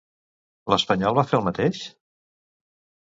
L'espanyol va fer el mateix?